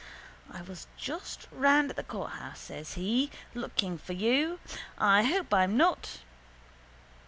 —I was just round at the courthouse, says he, looking for you. I hope I'm not...